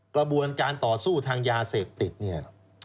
กระบวนการต่อสู้ทางยาเสพติดเนี่ย